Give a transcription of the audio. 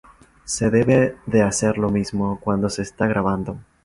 Se debe de hacer lo mismo cuando se está grabando.